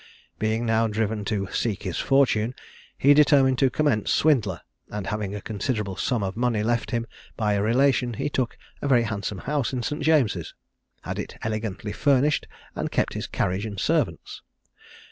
Being now driven to "seek his fortune," he determined to commence swindler, and having a considerable sum of money left him by a relation, he took a very handsome house in St. James's, had it elegantly furnished, and kept his carriage and servants.